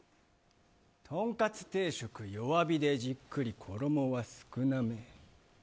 とんかつ定食、弱火でじっくり衣は少なめ。